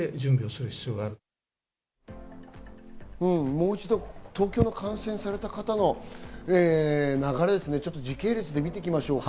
もう一度、東京の感染された方の流れを時系列で見ましょうか。